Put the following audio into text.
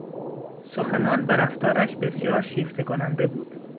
سخنان و رفتارش بسیار شیفته کننده بود.